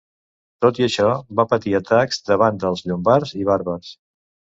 Tot i això, va patir atacs de vàndals, llombards i bàrbars.